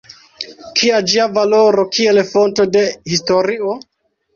Kia ĝia valoro kiel fonto de historio?